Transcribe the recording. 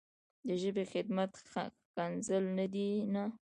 د ژبې خدمت ښکنځل نه دي نه.